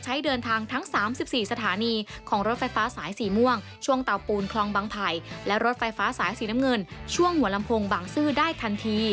บัตรแมงมุมจะแบ่งออกเป็น๓ประเภทด้วยกันนะคะ